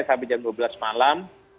sampai jam dua belas malam